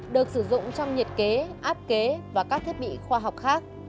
được sử dụng trong nhiệt kế áp kế và các thiết bị khoa học khác